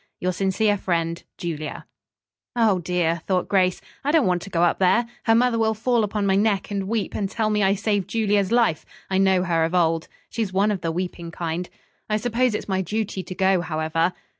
"Your sincere friend, "JULIA" "Oh, dear!" thought Grace. "I don't want to go up there. Her mother will fall upon my neck and weep, and tell me I saved Julia's life. I know her of old. She's one of the weeping kind. I suppose it's my duty to go, however."